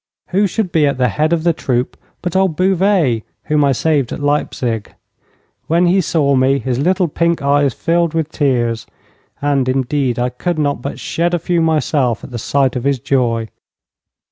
Who should be at the head of the troop but old Bouvet, whom I saved at Leipzig! When he saw me his little pink eyes filled with tears, and, indeed, I could not but shed a few myself at the sight of his joy.